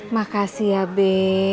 makasih ya be